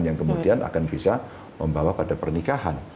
yang kemudian akan bisa membawa pada pernikahan